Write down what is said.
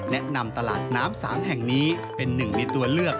แนะนำตลาดน้ำ๓แห่งนี้เป็นหนึ่งในตัวเลือก